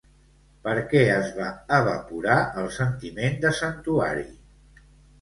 Per què es va evaporar el sentiment de santuari?